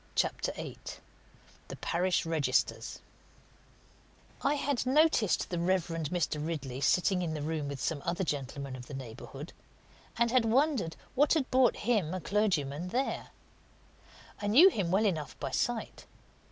CHAPTER VIII THE PARISH REGISTERS I had noticed the Reverend Mr. Ridley sitting in the room with some other gentlemen of the neighbourhood, and had wondered what had brought him, a clergyman, there. I knew him well enough by sight.